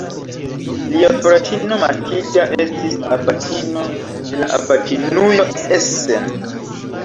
Lia fratino Matilda estis abatino de la abatinujo Essen.